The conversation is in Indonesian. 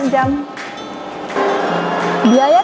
biaya telekomunikasi lebih murah